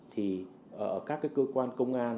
thì các cơ quan công an